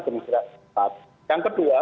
kemisraan cepat yang kedua